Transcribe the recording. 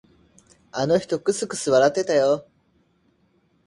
あの人、くすくす笑ってたよ。